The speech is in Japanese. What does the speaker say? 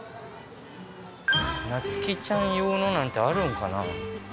なつきちゃん用のなんてあるんかな？